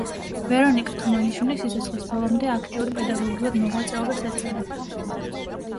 ვერონიკა თუმანიშვილი სიცოცხლის ბოლომდე აქტიურ პედაგოგიურ მოღვაწეობას ეწეოდა.